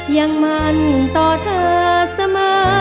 ยังมันต่อเธอเสมอ